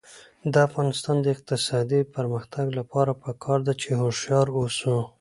د افغانستان د اقتصادي پرمختګ لپاره پکار ده چې هوښیار اوسو.